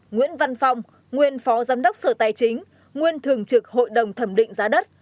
một nguyễn văn phong nguyên phó giám đốc sở tài chính nguyên thường trực hội đồng thẩm định giá đất